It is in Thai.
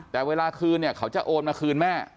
แต่เวลาคืนเนี่ยเขาจะโอนมาคืนแม่